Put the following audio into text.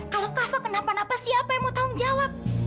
kalau kava kenapa napa siapa yang mau tanggung jawab